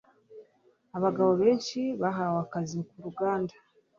Abagabo benshi bahawe akazi ku ruganda.